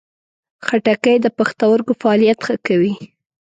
خټکی د پښتورګو فعالیت ښه کوي.